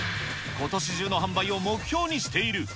ことし中の販売を目標にしている。